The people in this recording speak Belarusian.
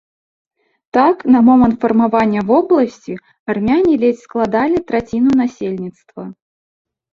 Так, на момант фармавання вобласці армяне ледзь складалі траціну насельніцтва.